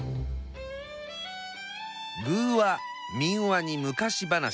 寓話民話に昔話。